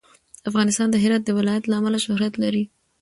افغانستان د هرات د ولایت له امله شهرت لري.